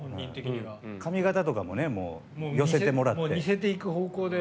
髪形とかもね寄せてもらって。